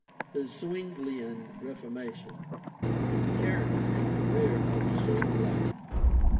THE ZWINGLIAN REFORMATION The character and career of Zwingli.